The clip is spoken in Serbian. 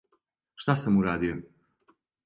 Што сам урадио?